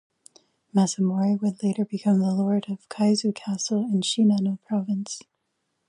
Masamori would later become the lord of Kaizu castle in Shinano province.